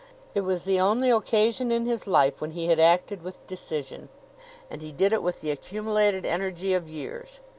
It was the only occasion in his life when he had acted with decision, and he did it with the accumulated energy of years.